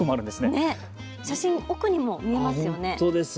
写真、奥にも見えますよね。